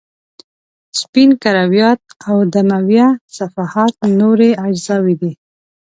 سپین کرویات او دمویه صفحات نورې اجزاوې دي.